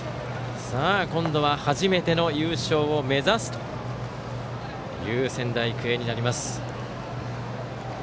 さあ、今度は初めての優勝を目指すという仙台育英になります。